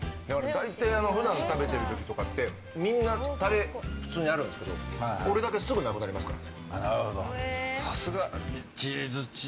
大体だれか食べてるときみんなタレがあるんですけど俺だけすぐなくなりますから。